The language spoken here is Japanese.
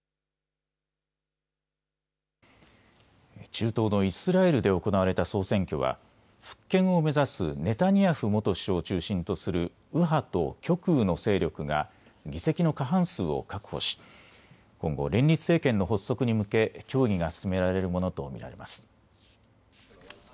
中東のイスラエルで行われた総選挙は復権を目指すネタニヤフ元首相を中心とする右派と極右の勢力が議席の過半数を確保し今後、連立政権の発足に向け協議が進められるものと見られます。